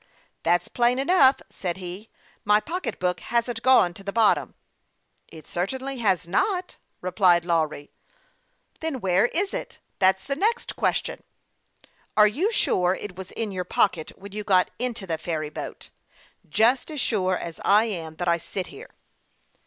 " That's plain enough," said he. " My pocket book hasn't gone to the bottom." " It certainly has not," replied Lawry. " Then where is it ? that's the next question." THE YOUNG PILOT OF LAKE CHAMPLAIN. 47 " Are you sure it was in your pocket when you got into the ferry boat ?"" Just as sure as I am that I sit here."